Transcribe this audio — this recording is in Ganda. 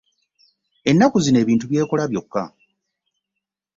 Ennaku zino ebintu byekola byoka.